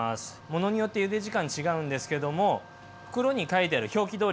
ものによってゆで時間違うんですけども袋に書いてある表記どおりで結構です。